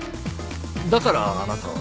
だからあなたは。